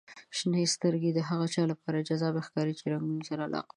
• شنې سترګې د هغه چا لپاره جذابې ښکاري چې د رنګونو سره علاقه لري.